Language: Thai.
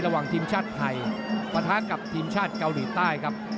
ระหว่างทีมชาติไทยปะทะกับทีมชาติเกาหลีใต้ครับ